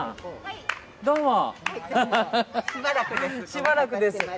しばらくです。